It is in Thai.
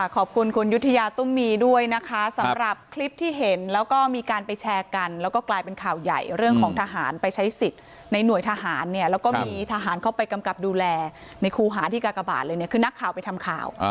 ขอบคุณคุณยุธยาตุ้มมีด้วยนะคะสำหรับคลิปที่เห็นแล้วก็มีการไปแชร์กันแล้วก็กลายเป็นข่าวใหญ่เรื่องของทหารไปใช้สิทธิ์ในหน่วยทหารเนี่ยแล้วก็มีทหารเข้าไปกำกับดูแลในครูหาที่กากบาทเลยเนี่ยคือนักข่าวไปทำข่าว